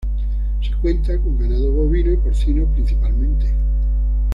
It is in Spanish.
Se cuenta con ganado bovino y porcino principalmente.